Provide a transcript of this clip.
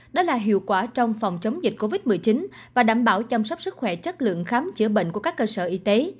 đó là hiệu quả trong phòng chống dịch covid một mươi chín và đảm bảo chăm sóc sức khỏe chất lượng khám chữa bệnh của các cơ sở y tế